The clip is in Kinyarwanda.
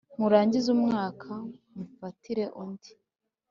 Murangize umwaka, mufatire undi,